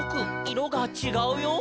いろがちがうよ」